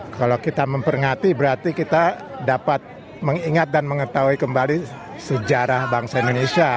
kalau kita memperingati berarti kita dapat mengingat dan mengetahui kembali sejarah bangsa indonesia